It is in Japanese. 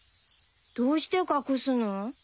どうして隠すの？